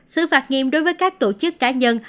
xử phạt nghiêm đối với các tổ chức cá nhân